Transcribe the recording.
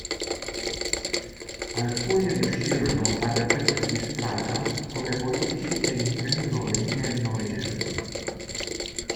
Alcuni riuscirono ad aprirsi strada come politici ed imprenditori nel Novecento.